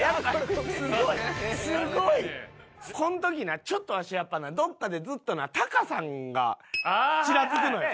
すごい？この時なちょっとわしやっぱなどっかでずっとなタカさんがチラつくのよ。